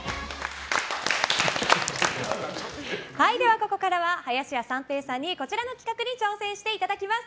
ここからは林家三平さんにこちらの企画に挑戦していただきます。